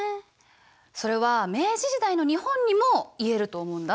それは明治時代の日本にも言えると思うんだ。